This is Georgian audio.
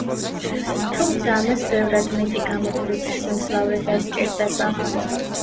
თუმცა ამას ბევრად მეტი გამოთვლითი სიმძლავრე დასჭირდება.